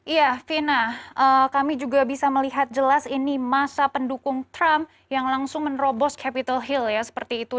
iya fina kami juga bisa melihat jelas ini masa pendukung trump yang langsung menerobos capitol hill ya seperti itu